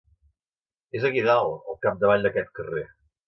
És aquí dalt, al capdavall d'aquest carrer.